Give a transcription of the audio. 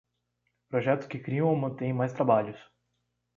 Projetos que criam ou mantêm mais trabalhos.